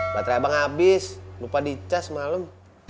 baterai abang abis lupa dicas malem